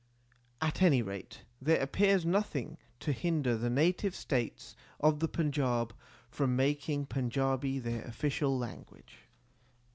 At any rate, there appears nothing to hinder the native states of the Panjab from making Panjabi their official language.